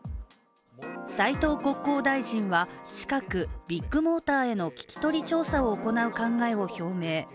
斉藤国交大臣は近くビッグモーターへの聞き取り調査を行う考えを表明。